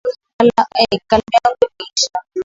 Kalamu yangu imeisha